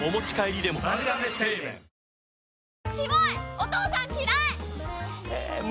お父さん嫌い！